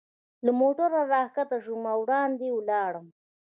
له موټره را کښته شوم او وړاندې ولاړم.